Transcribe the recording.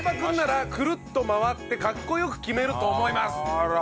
あら！